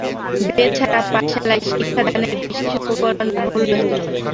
বেত ছাড়া পাঠশালায় শিক্ষাদানের বিশেষ উপকরণ-বাহুল্য ছিল না।